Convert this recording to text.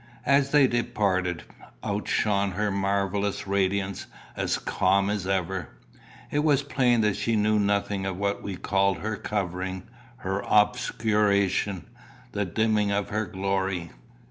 As they departed, out shone her marvellous radiance, as calm as ever. It was plain that she knew nothing of what we called her covering, her obscuration, the dimming of her glory.